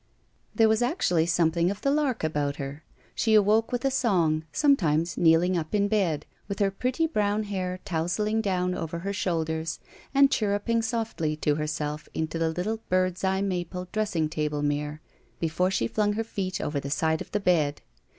There was actually something of the lark about her. She awoke with a song, sometimes kneeling up in bed, with her pretty brown hair tousling down over her shoulders and chirruping softly to herself into the little bird's eye maple dressing table mirror, before she flung her feet over the side of the bed.